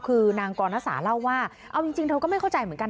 คือนางกรณสาเล่าว่าเอาจริงเธอก็ไม่เข้าใจเหมือนกัน